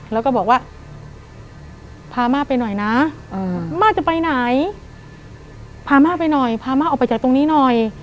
แล้วก็บอกว่าพาม่าไปหน่อยนะม่าจะไปไหนพาม่าไปหน่อยพาม่าออกไปจากตรงนี้หน่อย